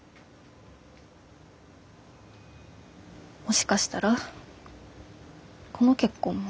もしかしたらこの結婚も。